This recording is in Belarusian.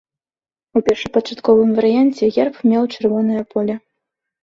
У першапачатковым варыянце герб меў чырвонае поле.